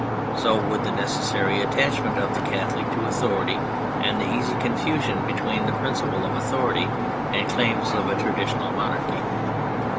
So would the necessary attachment of the Catholic to authority and the easy confusion between the principle of authority and claims of a traditional monarchy.